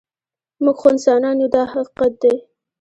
موږ خو انسانان یو دا حقیقت دی.